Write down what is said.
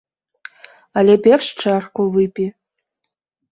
Але перш чарку выпі.